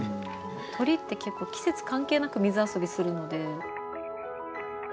鳥って結構季節関係なく水遊びするので。